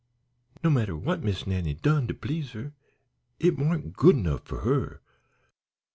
No matter what Miss Nannie done to please her it warn't good 'nough for her.